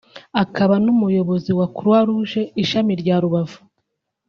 akaba n’umuyobozi wa Croix Rouge ishami rya Rubavu